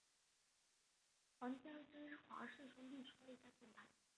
皇家芝华士兄弟创立该品牌。